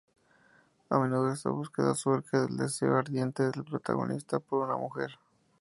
A menudo esta búsqueda surge del deseo ardiente del protagonista por una mujer.